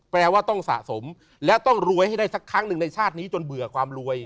แปลว่าต้องสะสมและต้องรวยให้ได้สักครั้งหนึ่งในชาตินี้จนเบื่อความรวย